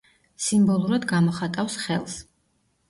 სიმბოლურად გამოხატავს ხელს.